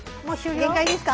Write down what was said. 限界ですか？